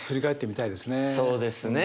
そうですね。